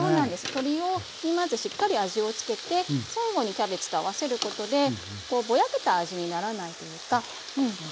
鶏にまずしっかり味を付けて最後にキャベツと合わせることでぼやけた味にならないというか。